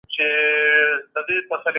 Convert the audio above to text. دوکه بازي د ټولنې د پاشلو سبب ګرځي.